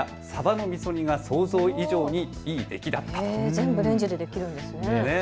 全部、レンジでできるんですね。